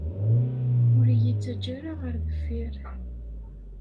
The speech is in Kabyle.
Ur yi-ttaǧǧa ara ɣer deffir.